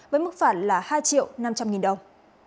với mức phạt là hai triệu năm trăm linh nghìn đồng